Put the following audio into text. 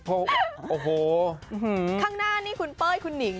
เขาก็ถาวายสระเป๋าอย่างนี้เหรอ